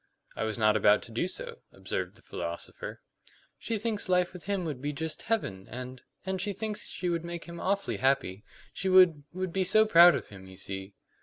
"I was not about to do so," observed the philosopher. "She thinks life with him would be just heaven; and and she thinks she would make him awfully happy. She would would be so proud of him, you see."